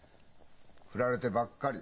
振られてばっかり。